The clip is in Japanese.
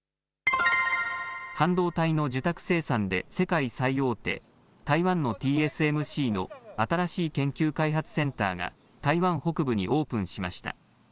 半導体の受託生産で、世界最大手、台湾のＴＳＭＣの新しい研究開発センターが、台湾北部にオープンしました。